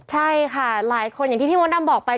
ใช่ค่ะหลายคนอย่างที่พี่มดดำบอกไป